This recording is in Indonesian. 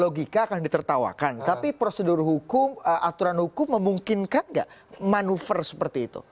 logika akan ditertawakan tapi prosedur hukum aturan hukum memungkinkan nggak manuver seperti itu